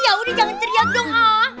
yaudah jangan ceria dong